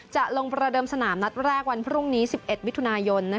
จะลงประเดิมสนามนัดแรกวันพรุ่งนี้๑๑มิถุนายน